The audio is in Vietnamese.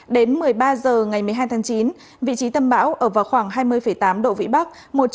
đến một mươi ba h ngày một mươi hai tháng chín vị trí tâm bão ở vào khoảng hai mươi tám độ vĩ bắc